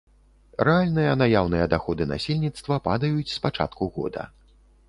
Рэальныя наяўныя даходы насельніцтва падаюць з пачатку года.